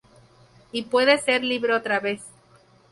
Y puede ser libre otra vez.